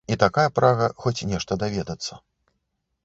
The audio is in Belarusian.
І такая прага хоць нешта даведацца.